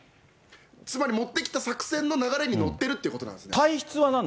つまり持ってきた作戦の流れに乗ってるってことなんですね。